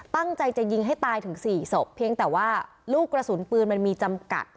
ตั้งใจจะยิงให้ตายถึงสี่ศพเพียงแต่ว่าลูกกระสุนปืนมันมีจำกัด